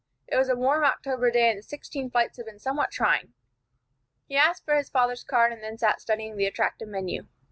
It was a warm October day, and the sixteen flights had been somewhat trying. He asked for his father's card, and then sat studying the attractive menu.